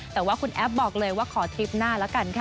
แต่ว่าคุณแอฟบอกเลยว่าขอทริปหน้าแล้วกันค่ะ